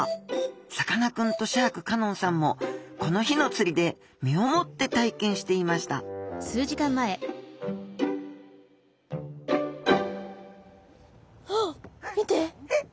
さかなクンとシャーク香音さんもこの日の釣りで身をもって体験していましたえっ。